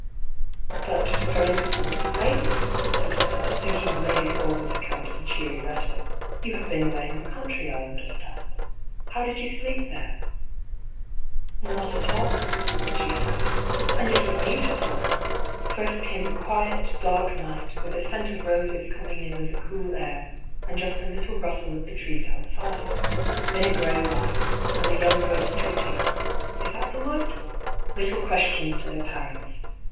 "But, for instance, lately," he said, thinking of Lady Forwood's account of a cheery letter, " you have been away in the country, I understand. How did you sleep there ?" "Not at all," she said. "And it was beautiful! First came the quiet, dark night, with the scent of roses coming in with the cool air, and just a little rustle of the trees outside. Then a grey light, and the young birds twitting (is that the word ?) little questions to their parents.